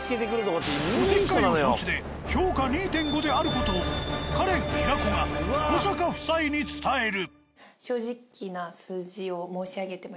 おせっかいを承知で評価２．５である事をカレン平子が保坂夫妻に伝える。